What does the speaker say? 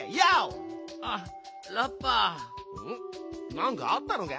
なんかあったのか？